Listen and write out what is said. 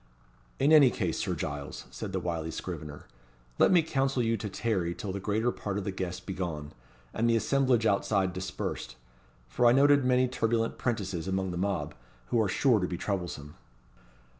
"In any case, Sir Giles," said the wily scrivener, "let me counsel you to tarry till the greater part of the guests be gone, and the assemblage outside dispersed; for I noted many turbulent 'prentices among the mob, who are sure to be troublesome."